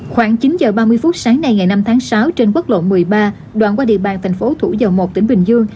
khoảng chín h ba mươi phút sáng nay ngày năm tháng sáu trên quốc lộ một mươi ba đoạn qua địa bàn thành phố thủ dầu một tỉnh bình dương